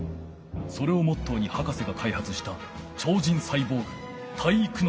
それをモットーに博士がかいはつした超人サイボーグ体育ノ介。